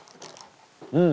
うん。